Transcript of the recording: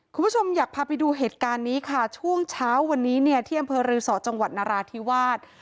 คุณผู้ชมอยากพาไปดูเหตุการณ์นี้ค่ะช่วงเช้าวันนี้เนี่ยที่อำเภอรือสอจังหวัดนราธิวาส